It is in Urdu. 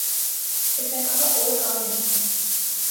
اس نے کہا اور کام نہیں